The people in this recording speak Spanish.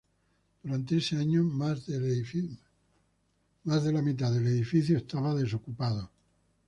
Durante ese año, más de del edificio estaban desocupados.